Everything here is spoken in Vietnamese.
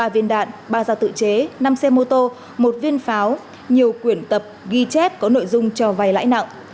ba viên đạn ba dao tự chế năm xe mô tô một viên pháo nhiều quyển tập ghi chép có nội dung cho vay lãi nặng